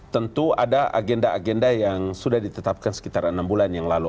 tentu ada agenda agenda yang sudah ditetapkan sekitar enam bulan yang lalu